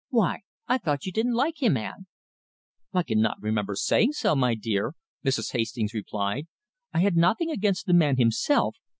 "Why, I thought you didn't like him, aunt?" "I cannot remember saying so, my dear," Mrs. Hastings replied. "I had nothing against the man himself.